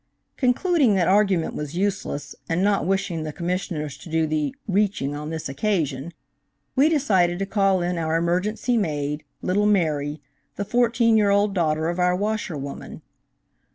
Concluding that argument was useless, and not wishing the Commissioners to do the "reaching" on this occasion, we decided to call in our emergency maid, little Mary, the fourteen year old daughter of our washerwoman.